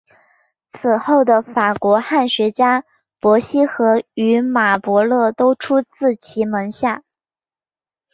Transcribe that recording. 此后的法国汉学家伯希和与马伯乐都出自其门下。